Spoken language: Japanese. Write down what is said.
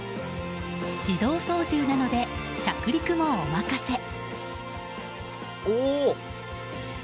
自動操縦なので着陸もお任せ。